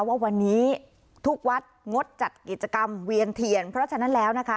ว่าวันนี้ทุกวัดงดจัดกิจกรรมเวียนเทียนเพราะฉะนั้นแล้วนะคะ